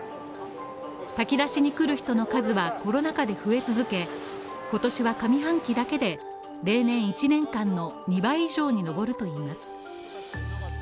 炊き出しに来る人の数はコロナ禍で増え続け、今年は上半期だけで例年１年間の２倍以上に上るといいます。